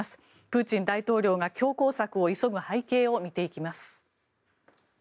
プーチン大統領が強硬策を急ぐ背景を見ていきます。